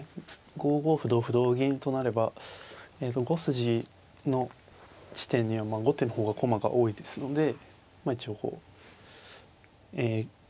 ５五歩同歩同銀となれば５筋の地点には後手の方が駒が多いですので一応こうえ